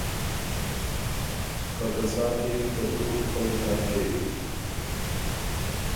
خه که سا کېوی که تُو خوئ ترپ کېوي